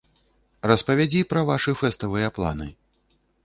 Распавядзі пра вашы фэставыя планы.